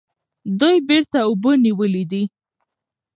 دوی بیرته اوبه نیولې دي.